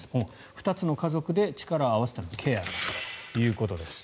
２つの家族で力を合わせてケアということです。